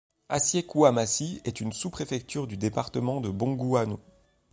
Assié-Koumassi est une Sous-préfecture du département de Bongouanou.